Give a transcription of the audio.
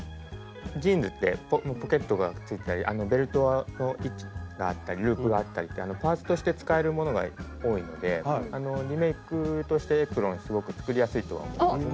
ジーンズってポケットがついてたりベルトの位置があったりループがあったりってパーツとして使えるものが多いのでリメイクとしてエプロンすごく作りやすいとは思いますね。